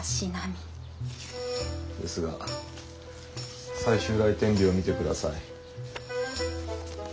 ですが最終来店日を見てください。